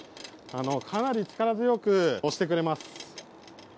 かなり力強く押してくれます。